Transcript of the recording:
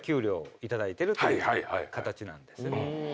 頂いてるという形なんですね。